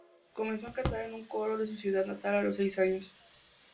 Comenzó a cantar en un coro de su ciudad natal a los seis años.